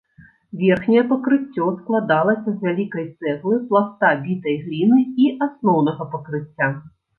Верхняе пакрыццё складалася з вялікай цэглы, пласта бітай гліны і асноўнага пакрыцця.